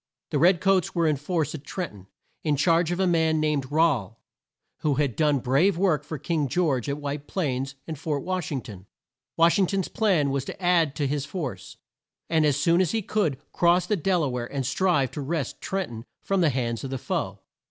The red coats were in force at Tren ton, in charge of a man, named Rahl, who had done brave work for King George at White Plains and Fort Wash ing ton. Wash ing ton's plan was to add to his force, and, as soon as he could, cross the Del a ware and strive to wrest Tren ton from the hands of the foe.